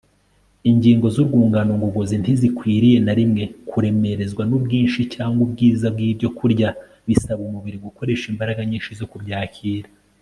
ingingo z'urwungano ngogozi ntizikwiriye na rimwe kuremerezwa n'ubwinshi cyangwa ubwiza bw'ibyokurya bisaba umubiri gukoresha imbaraga nyinshi zo kubyakira